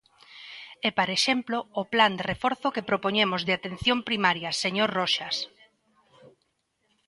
E para exemplo, o plan de reforzo que propoñemos de atención primaria, señor Roxas.